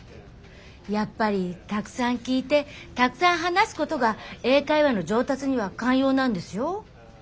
やっぱりたくさん聴いてたくさん話すことが英会話の上達には肝要なんですよ。